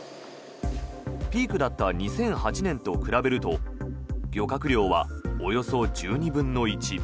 ピークだった２００８年と比べると漁獲量はおよそ１２分の１。